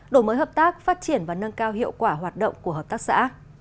đổi mới hợp tác phát triển và nâng cao hiệu quả hoạt động của hợp tác xã